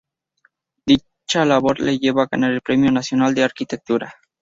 Dicha labor le llevó a ganar el Premio Nacional de Arquitectura.